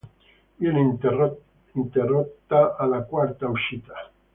Viene interrotta alla quarta uscita.